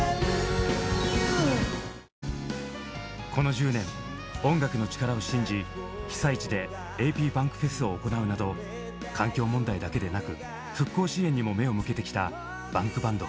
この１０年音楽の力を信じ被災地でａｐｂａｎｋｆｅｓを行うなど環境問題だけでなく復興支援にも目を向けてきたＢａｎｋＢａｎｄ。